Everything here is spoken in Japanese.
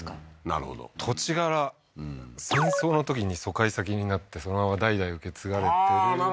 なるほど土地柄戦争のときに疎開先になってそのまま代々受け継がれてるああー